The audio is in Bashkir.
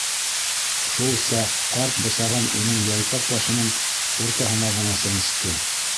Шул саҡ ҡарт бысағын уның йәлпәк башының уртаһына ғына сәнсте.